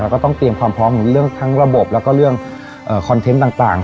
ก็ต้องเตรียมความพร้อมเรื่องทั้งระบบแล้วก็เรื่องคอนเทนต์ต่าง